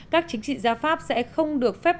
các chính trị gia pháp sẽ không được phép